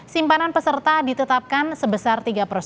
simpanan peserta ditetapkan sebesar tiga